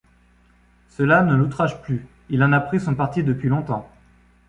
Cela ne l’outrage plus, il en a pris son parti depuis longtemps.